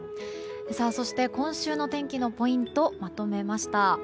そして、今週の天気のポイントまとめました。